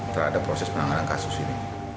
terhadap proses penanganan kasus ini